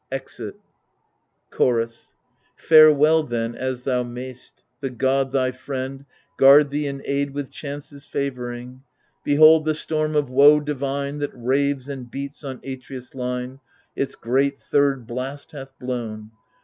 [Exif, Chorus Farewell then as thou mayst, — the god thy friend Guard thee and aid with chances favouring.' Behold, the storm of woe divine That raves and beats on Atreus' line Its great third blast hath blown.